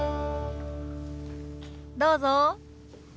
どうぞ。